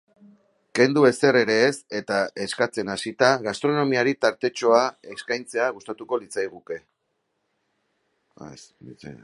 Kendu ezer ere ez eta eskatzen hasita, gastronomiari tartetxoa eskaintzea gustatuko litzaidake.